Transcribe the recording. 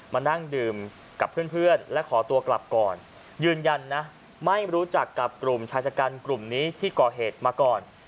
มานั่งดื่มกับเพื่อนและขอตัวกลับก่อนยืนยันนะไม่รู้จักกับกลุ่มชายชะกันกลุ่มนี้ที่ก่อเหตุมาก่อน